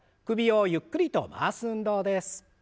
首をゆっくりと回す運動です。